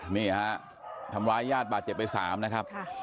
นี่ฮะทำร้ายญาติบาดเจ็บไป๓นะครับ